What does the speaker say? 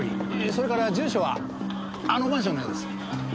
それから住所はあのマンションのようです。